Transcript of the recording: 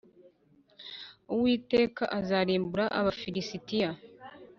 Uwiteka azarimbura Abafilisitiya